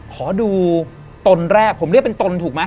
ขอดูตนแรกผมเรียกเป็นตนถูกไหม